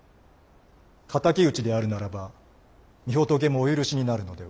仇討ちであるならば御仏もお許しになるのでは。